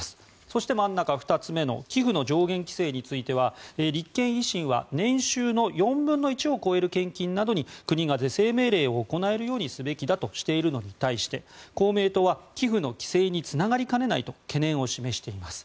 そして真ん中、２つ目の寄付の上限規制については立憲、維新は年収の４分の１を超える献金などに国が是正命令を行えるようにすべきだとしているのに対して公明党は寄付の規制につながりかねないと懸念を示しています。